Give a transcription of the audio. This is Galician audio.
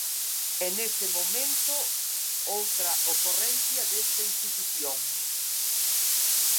E nese momento outra ocorrencia desta institución.